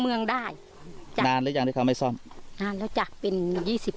เมืองได้นานหรือยังที่เขาไม่ซ่อมนานแล้วจ้ะเป็นยี่สิบ